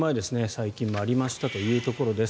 最近もありましたというところです。